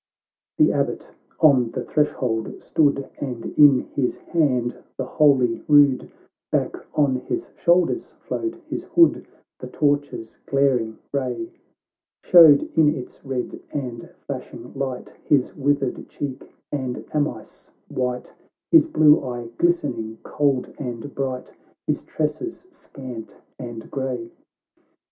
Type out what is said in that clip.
XXIII The Abbot on the threshold stood, And in his hand the holy rood; 581 THE LOKD OF THE ISLES. [CANTO II Back on his shoulders flowed his hood, The torches' glaring ray Showed, in its red and flashing light, His withered cheek and amice white, His blue eye glistening cold and bright, His tresses scant and grey.